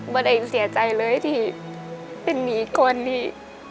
ไม่ได้เสียใจเลยที่เป็นหมีก้อนนี้